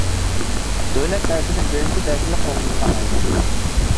دۆلەت تەرىپىدىن بىرىنچى دەرىجىلىك قوغدىلىدىغان ھايۋان.